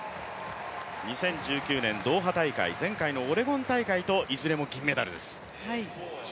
２０１９年ドーハ大会、前回のオレゴン大会といずれも銀メダルです。